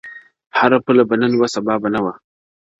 هره پوله به نن وه- سبا به نه وه-